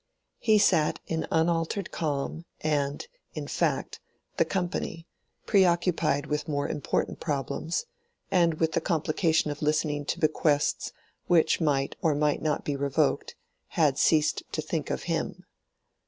He sat in unaltered calm, and, in fact, the company, preoccupied with more important problems, and with the complication of listening to bequests which might or might not be revoked, had ceased to think of him.